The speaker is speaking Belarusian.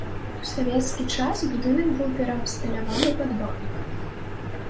У савецкі час будынак быў пераабсталяваны пад банк.